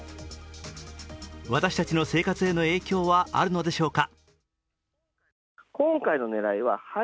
私たちの生活への影響はあるのでしょうか。